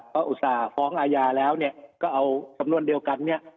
ก็อุตส่าห์ฟ้องอาญาแล้วก็เอาสำนวนเดียวกันเนี่ย